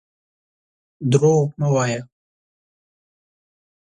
درواغ مه وايه.